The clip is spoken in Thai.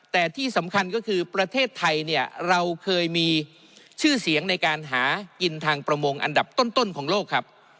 แต่ที่สำคัญก็คือประเทศไทยเนี่ยเราเคยมีชื่อเสียงในการหากินทางประมงอันดับต้นของโลกครับ